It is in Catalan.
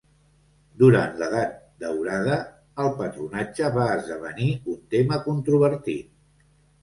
Durant l'edat daurada, el patronatge va esdevenir un tema controvertit.